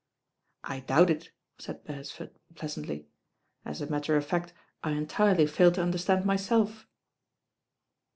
"I doubt it," said Beresford pleasantly. "As a matter of fact I entirely fail to understand myself.'